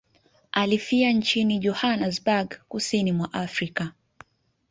Alifia nchini Johannesburg kusini mwa Afrika